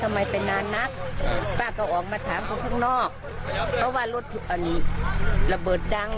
ไปนานนักป้าก็ออกมาถามเขาข้างนอกเพราะว่ารถระเบิดดัง